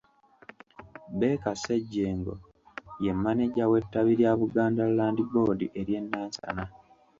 Baker Ssejjengo ye mmaneja w’ettabi lya Buganda Land Board ery’e Nansana.